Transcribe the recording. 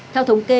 theo thống kê